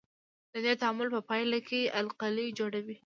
د دې تعامل په پایله کې القلي جوړوي.